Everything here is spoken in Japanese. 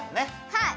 はい！